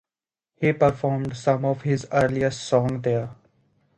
He performed some of his earliest songs there.